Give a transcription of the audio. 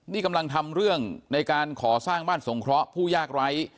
นี่กำลังทำเรื่องในการก่อสร้างบ้านสงเคราะห์ผู้ยากไร้